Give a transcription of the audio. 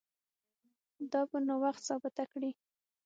دا به نو وخت ثابته کړي